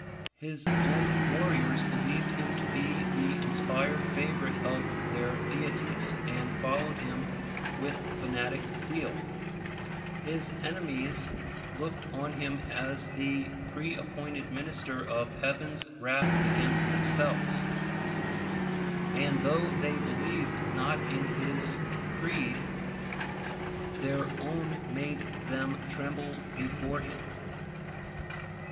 His own warriors believed him to be the inspired favourite of their deities, and followed him with fanatic zeal: his enemies looked on him as the pre appointed minister of Heaven's wrath against themselves; and, though they believed not in his creed, their own made them tremble before him.